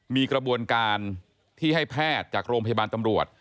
มีกระบวนการที่ให้แพทย์จากโรงพยาบาลตำรวจ